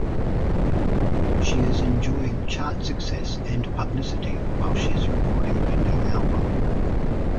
She is enjoying chart success and publicity while she is recording her new album.